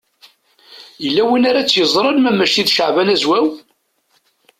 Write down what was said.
Yella win ara tt-yeẓren ma mačči d Caɛban Azwaw?